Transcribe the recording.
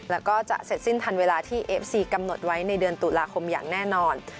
แล้วก็จะเสร็จสิ้นทันเวลาที่เอฟซีกำหนดไว้ในเดือนตุลาคมอย่างแน่นอน